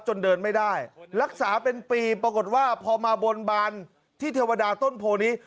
เดินไม่ได้รักษาเป็นปีปรากฏว่าพอมาบนบานที่เทวดาต้นโพนี้